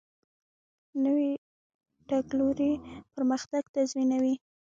نوی تګلوری پرمختګ تضمینوي